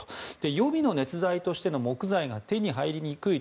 予備の熱材としての木材が手に入りにくい。